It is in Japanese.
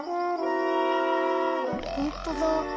ほんとだ。